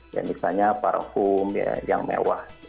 ya misalnya parfum yang mewah